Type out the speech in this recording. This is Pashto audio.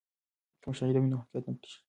که مشاهده وي نو حقیقت نه پټیږي.